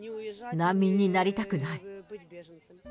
難民になりたくない。